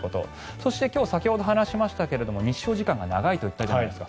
そして、今日先ほど話しましたが日照時間が長いと言ったじゃないですか。